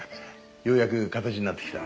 ようやく形になってきた。